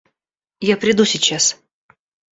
Я приду сейчас.